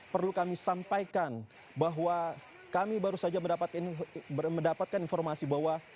perlu kami sampaikan bahwa kami baru saja mendapatkan informasi bahwa